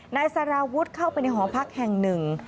นายสารวุฒิเข้าไปในหอพักแห่งหนึ่ง